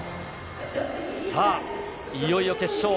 さあ、いよいよ決勝。